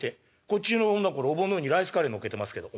こっちの女これおぼんの上にライスカレー乗っけてますけど」。